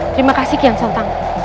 terima kasih kian santang